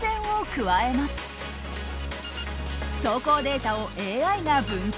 走行データをＡＩが分析。